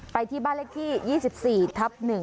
ไปที่บ้านเลขที่๒๔ทับ๑